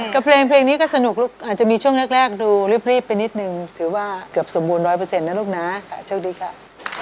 ก็เพลงนี้ก็สนุกลูกอาจจะมีช่วงแรกดูรีบไปนิดนึงถือว่าเกือบสมบูรร้อยเปอร์เซ็นต์นะลูกนะโชคดีค่ะ